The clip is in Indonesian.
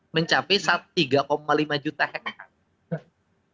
mencapai tiga lima juta hektare